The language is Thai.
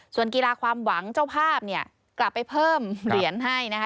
ส่วนกีฬาความหวังเจ้าภาพเนี่ยกลับไปเพิ่มเหรียญให้นะคะ